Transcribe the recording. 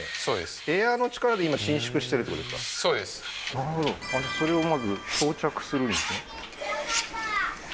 なるほどそれをまず装着するんですねあっ